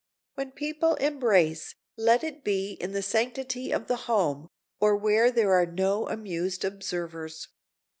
When people embrace, let it be in the sanctity of the home, or where there are no amused observers.